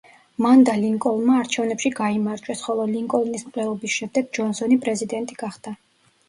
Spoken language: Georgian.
მან და ლინკოლნმა არჩევნებში გაიმარჯვეს, ხოლო ლინკოლნის მკვლელობის შემდეგ ჯონსონი პრეზიდენტი გახდა.